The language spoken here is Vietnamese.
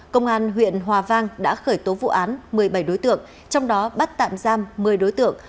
công an huyện hòa vang đã khởi tố vụ án một mươi bảy đối tượng trong đó bắt tạm giam một mươi đối tượng